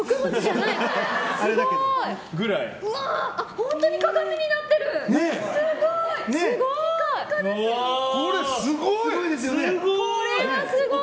本当に鏡になってる、すごい！